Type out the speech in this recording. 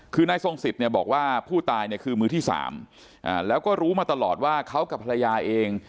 คือนายทรงสิทธิ์เนี่ยบอกว่าผู้ตายเนี่ยคือมือที่สามแล้วก็รู้มาตลอดว่าเขากับภรรยาเอง